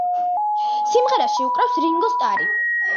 სიმღერაში უკრავს რინგო სტარი.